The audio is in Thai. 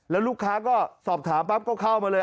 แล้วลูกค้าก็สอบถามปั๊บก็เข้ามาเลย